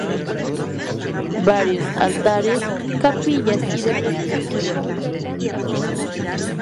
Varios altares, capillas y dependencias completan el conjunto.